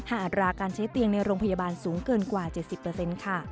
อัตราการใช้เตียงในโรงพยาบาลสูงเกินกว่า๗๐ค่ะ